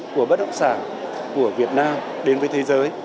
của bất động sản của việt nam đến với thế giới